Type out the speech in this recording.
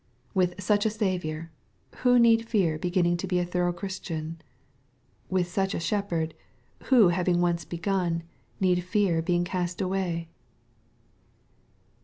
With such a Saviour, who need fear beginning to be a thorough Christian ? With such a Shepherd, who, having once begun, need fear being cast away